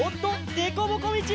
でこぼこみち！